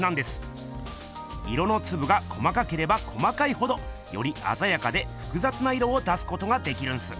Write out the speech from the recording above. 色のつぶが細かければ細かいほどよりあざやかでふくざつな色を出すことができるんす。